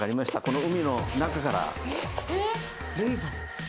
この海の中から。